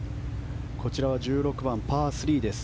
こちらは１６番、パー３です。